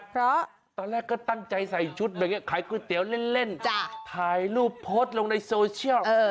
เพราะตอนแรกก็ตั้งใจใส่ชุดแบบนี้ขายก๋วยเตี๋ยวเล่นถ่ายรูปโพสต์ลงในโซเชียล